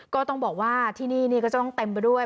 ก็ต้องบอกว่าที่นี่ก็จะต้องเต็มไปด้วย